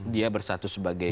dia bersatu sebagai terdakwah